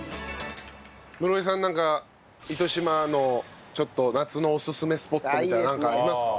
室井さんなんか糸島のちょっと夏のおすすめスポットみたいなのなんかありますか？